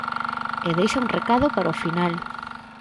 E deixa un recado para o final.